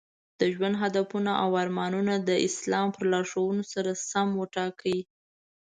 د ژوند هدفونه او ارمانونه د اسلام په لارښوونو سره سم وټاکئ.